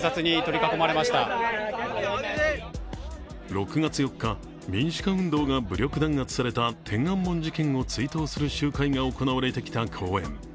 ６月４日、民主化運動が武力弾圧された天安門事件を追悼する集会が行われてきた公園。